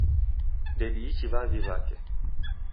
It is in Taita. Ndediichi w'avi w'ake